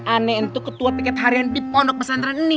aneh untuk ketua tiket harian di pondok pesantren ini